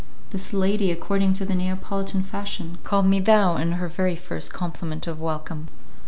This lady, according to the Neapolitan fashion, called me thou in her very first compliment of welcome.